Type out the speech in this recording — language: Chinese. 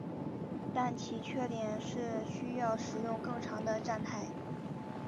但其缺点是需要使用更长的站台。